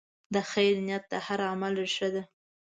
د خیر نیت د هر عمل ریښه ده.